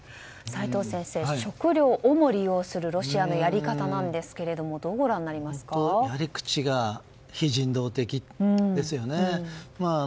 齋藤先生、食料をも利用するロシアのやり方ですがやり口が非人道的ですよね。